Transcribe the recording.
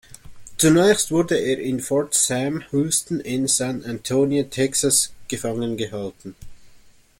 Zunächst wurde er in Fort Sam Houston in San Antonio, Texas, gefangengehalten.